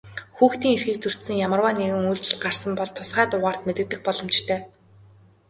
Хүүхдийн эрхийг зөрчсөн ямарваа нэгэн үйлдэл гарсан бол тусгай дугаарт мэдэгдэх боломжтой.